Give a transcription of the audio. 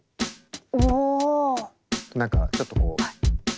何かちょっと。